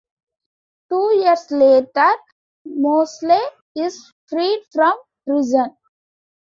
Two years later, Mosley is freed from prison.